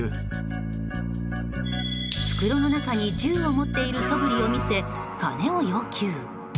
袋の中に、銃を持っているそぶりを見せ金を要求。